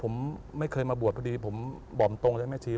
ผมไม่เคยมาบวชพอดีผมบอกตรงเลยแม่ชี